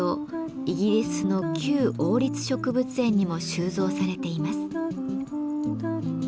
イギリスのキュー王立植物園にも収蔵されています。